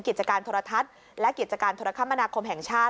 กิจการโทรทัศน์และกิจการโทรคมนาคมแห่งชาติ